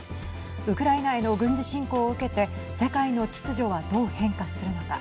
ウクライナへの軍事侵攻を受けて世界の秩序はどう変化するのか。